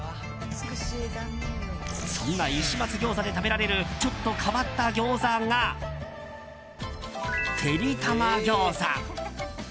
そんな石松餃子で食べられるちょっと変わった餃子がてりたま餃子。